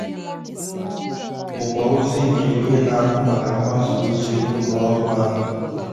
bụkwa ozi nke onye na-ahụ maka mgbasa ozi n'ụlọọrụ ahụ